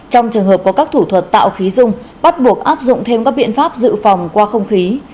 trong trường hợp có các thủ thuật tạo khí dung bắt buộc áp dụng thêm các biện pháp dự phòng qua không khí